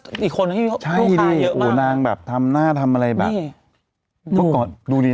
อีกคนเขาถ่ายเยอะมากใช่โอนางแบบทำหน้าทำอะไรแบบนี่